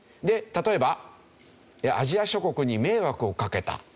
で例えばアジア諸国に「迷惑をかけた」。